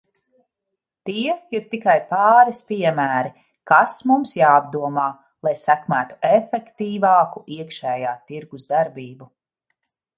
Tie ir tikai pāris piemēri, kas mums jāapdomā, lai sekmētu efektīvāku iekšējā tirgus darbību.